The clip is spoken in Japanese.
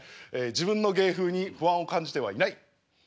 自分の芸風に不安を感じてはいない。